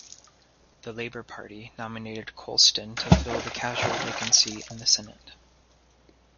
The Labor Party nominated Colston to fill the casual vacancy in the Senate.